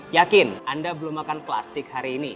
yakin anda belum makan plastik hari ini